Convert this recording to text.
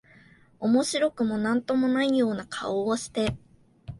面白くも何とも無いような顔をして、